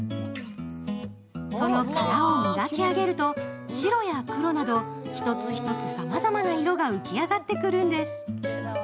その殻を磨き上げると白や黒など一つ一つさまざまな色が浮き上がってくるんです。